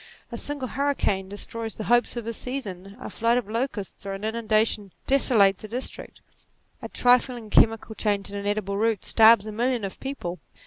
A single hurricane destroys the hopes of a season; a flight of locusts, or an inundation, desolates a district ; a trifling chemical change in an edible root, starves a million of people.